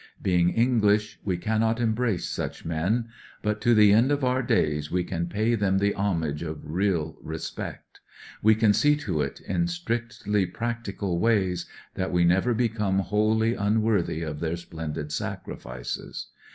Bemg EngUsh, we can not embrace such men; but to the end of our days we can pay them the homage of real respect. We can see to it, in strictly practical ways, that we never become wholly unworthy of their splendid sacrifices.